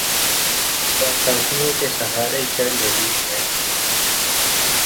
وہ بیساکھیوں کے سہارے چل رہی ہے۔